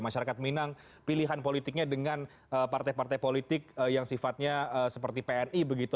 masyarakat minang pilihan politiknya dengan partai partai politik yang sifatnya seperti pni begitu